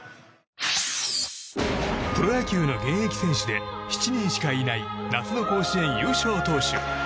プロ野球の現役選手で７人しかいない夏の甲子園優勝投手。